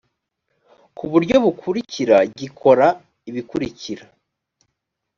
ku buryo bukurikira gikora ibikurikira